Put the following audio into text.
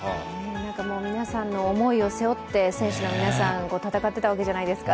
なんかもう皆さんの思いを背負って選手の皆さん、戦っていたわけじゃないですか。